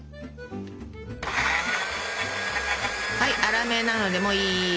はい粗めなのでもういい。